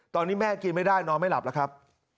ตอนนี้แม่กินไม่ได้นอนไม่หลับแล้วครับ